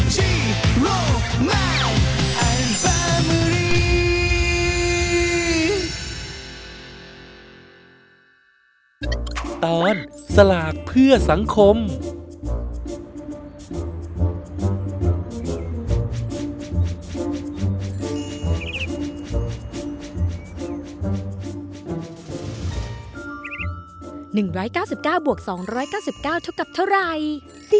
จีโรแมนแอนด์แฟมิลี่